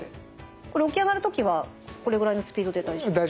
これ起き上がるときはこれぐらいのスピードで大丈夫ですか？